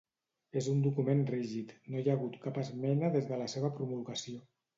És un document rígid: no hi ha hagut cap esmena des de la seva promulgació.